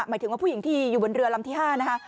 หมายถึงว่าผู้หญิงที่อยู่บนเรือลำที่๕นะคะ